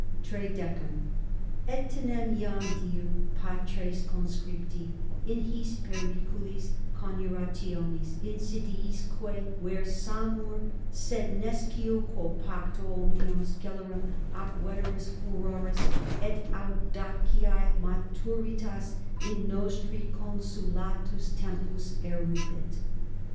=13.= Etenim iam diu, patres conscripti, in his 31 periculis coniurationis insidiisque versamur, sed nescio quo pacto omnium scelerum ac veteris furoris et audaciae maturitas in nostri consulatus tempus erupit.